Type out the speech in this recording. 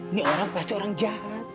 ini orang pasti orang jahat